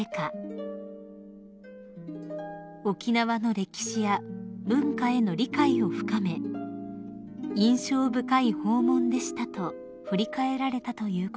［沖縄の歴史や文化への理解を深め「印象深い訪問でした」と振り返られたということです］